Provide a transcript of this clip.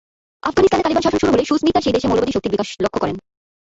আফগানিস্তানে তালিবান শাসন শুরু হলে, সুস্মিতা সেই দেশে মৌলবাদী শক্তির বিকাশ লক্ষ্য করেন।